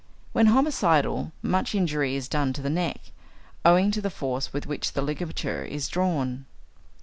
When homicidal, much injury is done to the neck, owing to the force with which the ligature is drawn.